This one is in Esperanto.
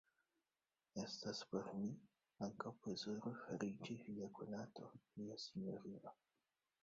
Estas por mi ankaŭ plezuro fariĝi via konato, mia sinjorino!